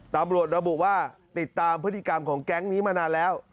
ตำรวจระบุว่าติดตามพฤติกรรมของแก๊งนี้มานานแล้ว